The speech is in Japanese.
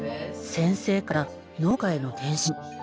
先生から農家への転身。